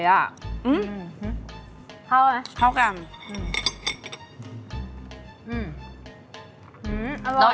เข้าไหมเข้ากัน